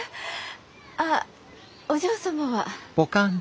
あお嬢様は？